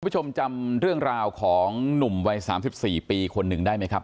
ผู้ชมจำเรื่องราวของหนุ่มวัย๓๔ปีคนหนึ่งได้ไหมครับ